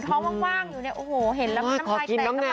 ท้องมากอยู่เนี่ยโอ้โหเห็นนะ